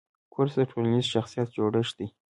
کورس د ټولنیز شخصیت جوړښت دی.